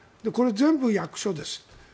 これ、全部役所です。